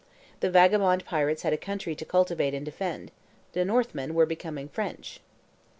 The vagabond pirates had a country to cultivate and defend; the Northmen were becoming French.